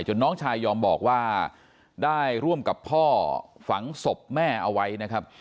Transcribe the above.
น้องชายยอมบอกว่าได้ร่วมกับพ่อฝังศพแม่เอาไว้นะครับ